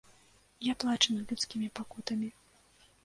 Я плачу над людскімі пакутамі.